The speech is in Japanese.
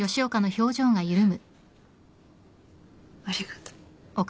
ありがと。